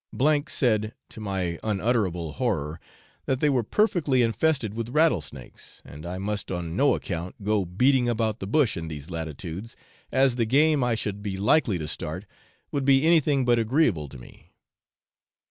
said, to my unutterable horror, that they were perfectly infested with rattlesnakes, and I must on no account go 'beating about the bush' in these latitudes, as the game I should be likely to start would be anything but agreeable to me.